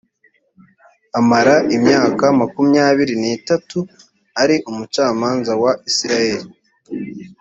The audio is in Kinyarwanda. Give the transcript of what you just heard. amara imyaka makumyabiri n itatu ari umucamanza wa isirayeli